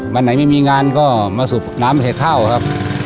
วันไหนไม่มีงานก็มาสูบน้ำเห็ดเท่าครับ